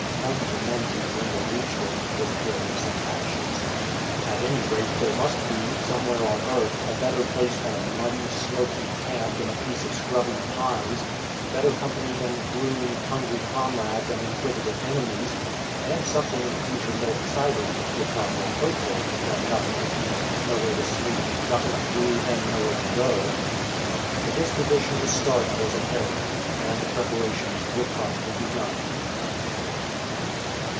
Home to many, when they reached it, was graves and ashes. At any rate there must be, somewhere on earth, a better place than a muddy, smoky camp in a piece of scrubby pines better company than gloomy, hungry comrades and inquisitive enemies, and something in the future more exciting, if not more hopeful, than nothing to eat, nowhere to sleep, nothing to do, and nowhere to go. The disposition to start was apparent, and the preparations were promptly begun.